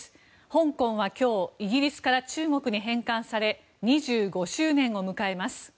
香港は今日、イギリスから中国に返還され２５周年を迎えます。